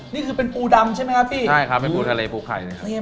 นี่คือเป็นปูดำใช่ไหมครับพี่ใช่ครับเป็นปูทะเลปูไข่นะครับ